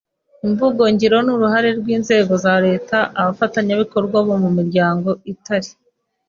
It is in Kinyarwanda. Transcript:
mvugo n ingiro n uruhare rw inzego za Leta abafatanyabikorwa bo mu miryango itari